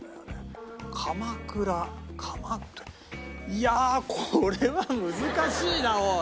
いやあこれは難しいなおい！